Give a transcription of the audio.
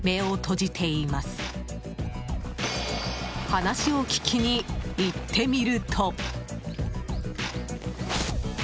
話を聞きに行ってみると。